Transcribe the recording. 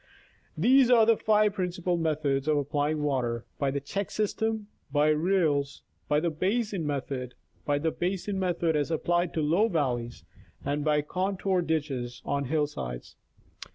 These are the five principal methods of applying water : by the check system ; by rills ; by the basin method ; by the basin method as applied to low valleys ; and by contour ditches on hill sides.